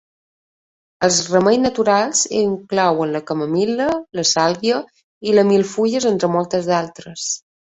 Els remeis naturals inclouen la camamilla, la sàlvia i la milfulles entre moltes d'altres.